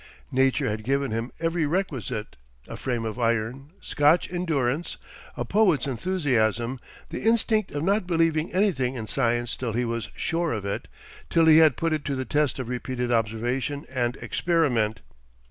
Nature had given him every requisite: a frame of iron, Scotch endurance, a poet's enthusiasm, the instinct of not believing anything in science till he was sure of it, till he had put it to the test of repeated observation and experiment.